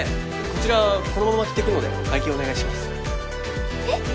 こちらこのまま着てくのでお会計お願いしますえっ？